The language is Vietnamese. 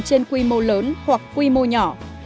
trên quy mô lớn hoặc quy mô nhỏ